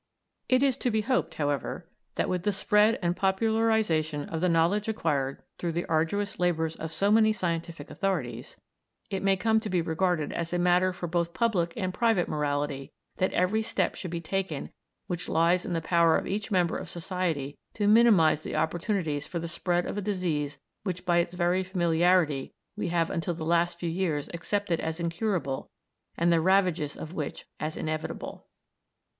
It is to be hoped, however, that with the spread and popularisation of the knowledge acquired through the arduous labours of so many scientific authorities, it may come to be regarded as a matter for both public and private morality that every step should be taken which lies in the power of each member of society to minimise the opportunities for the spread of a disease which by its very familiarity we have until the last few years accepted as incurable and the ravages of which as inevitable.